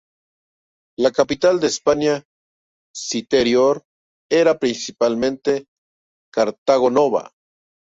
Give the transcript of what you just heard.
La capital de Hispania Citerior era principalmente Cartago Nova.